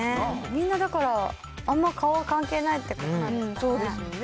みんな、だからあんま顔は関係ないって感じなんですかね。